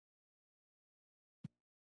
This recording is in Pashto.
ما پنځلس کسان د مېلمستیا لپاره بللي دي.